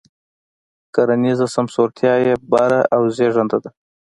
کرنیزه سمسورتیا یې بره او زېږنده ده.